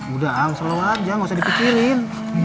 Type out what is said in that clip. udah mas selalu aja gak usah dipikirin